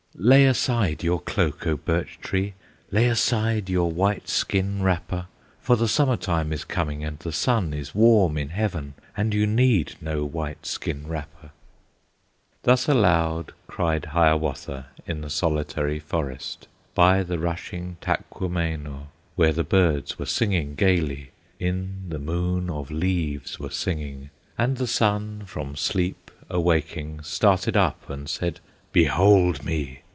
"Lay aside your cloak, O Birch tree! Lay aside your white skin wrapper, For the Summer time is coming, And the sun is warm in heaven, And you need no white skin wrapper!" Thus aloud cried Hiawatha In the solitary forest, By the rushing Taquamenaw, When the birds were singing gayly, In the Moon of Leaves were singing, And the sun, from sleep awaking, Started up and said, "Behold me!